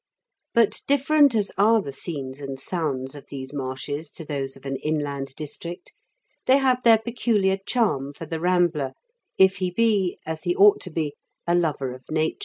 But different as are the scenes and sounds of these marshes to those of an inland district, they have their peculiar charm for the rambler, if he be, as he ought to be, a lover of nature.